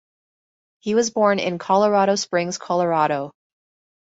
He was born in Colorado Springs, Colorado.